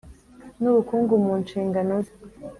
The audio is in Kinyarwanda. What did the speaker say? N ubukungu mu nshingano ze